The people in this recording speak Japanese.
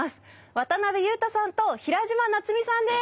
渡辺裕太さんと平嶋夏海さんです。